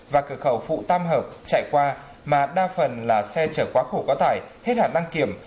và cửa khẩu phụ tam hợp chạy qua mà đa phần là xe chở quá khổ có tải hết hạt năng kiểm